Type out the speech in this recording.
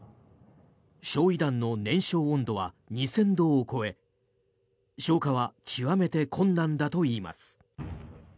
焼い弾の燃焼温度は２０００度を超え消火は極めて困難だといいます。